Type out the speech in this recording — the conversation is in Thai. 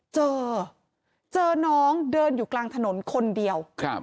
เจอเจอน้องเดินอยู่กลางถนนคนเดียว